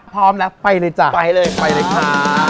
พร้อมแล้วไปเลยจ้ะไปเลยไปเลยค่ะ